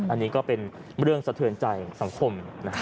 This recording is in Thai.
อันนี้ก็เป็นเรื่องสะเทือนใจสังคม